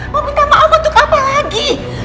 mau minta maaf untuk apa lagi